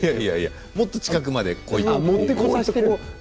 もっと近くまで来いと。